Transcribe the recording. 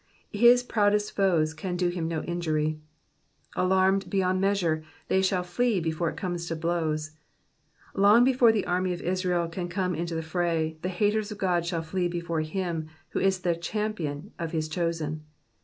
His proudest foes can do him no injury. Alarmed beyond measure, they shall flee before it comes to blows. Long before the army of Israel can come into the fray, the haters of God shall flee before Him who is the champion of his chosen.